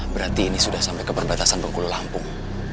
berarti ini sudah sampai ke perbatasan bengkulu lampung